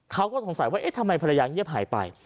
เขาก็สงสัยว่าเอ๊ะทำไมภรรยาเงียบหายไป